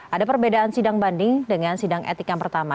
ada perbedaan sidang banding dengan sidang etik yang pertama